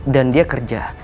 dan dia kerja